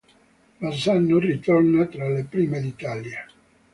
Bassano ritorna tra le prime d'Italia.